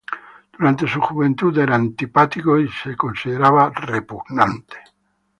Durante su juventud era antipático y considerado repugnante.